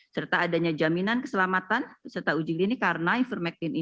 serta adanya jaminan keselamatan serta uji klinik karena ivermectin ini tidak bisa dikonsumsi